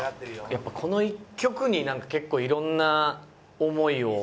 やっぱこの１曲になんか結構色んな思いを。